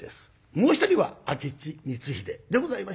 もう一人は明智光秀でございました。